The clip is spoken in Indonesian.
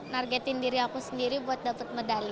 nargetin diri aku sendiri buat dapet medali